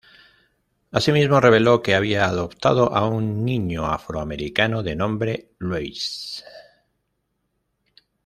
Asimismo reveló que había adoptado a un niño afroamericano de nombre Louis.